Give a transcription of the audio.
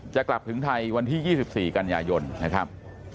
จะกลับถึงไทยวันที่๒๔กันยายนนะครับ